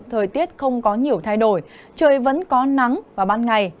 thời tiết không có nhiều thay đổi trời vẫn có nắng vào ban ngày